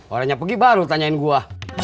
orangnya pergi baru tanyain gue